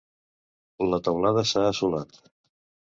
La teulada s'ha assolat.